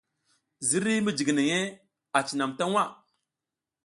Ziriy mijiginey a cinam ta waʼa.